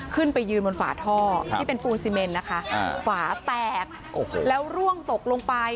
ขึ้นไปยืนบนฝาท่อที่เป็นปูนซีเมนนะคะฝาแตกแล้วร่วงตกลงไป